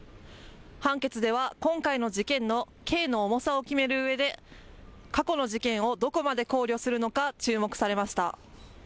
判決では今回の事件の刑の重さを決めるうえで過去の事件をどこまで考慮するのか注目されました。